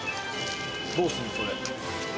どうすんのそれ。